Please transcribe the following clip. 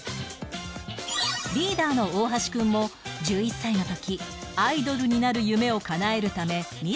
リーダーの大橋くんも１１歳の時アイドルになる夢をかなえるため自ら応募